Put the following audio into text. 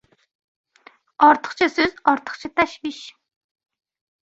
• Ortiqcha so‘z — ortiqcha tashvish.